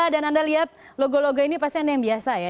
dan anda lihat logo logo ini pasti ada yang biasa ya